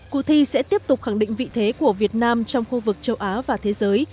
cuộc thi sẽ tiếp tục khẳng định vị thế của việt nam trong khu vực châu á và thế giới